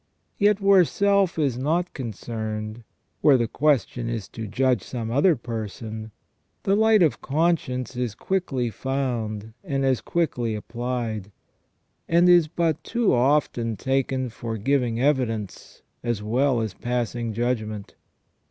Yet where self is not concerned, where the question is to judge some other person, the light of conscience is quickly found and as quickly applied, and is but too often taken for giving evidence as well as passing judgment.